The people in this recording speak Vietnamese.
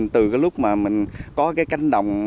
từ lúc mà mình có cái cánh đồng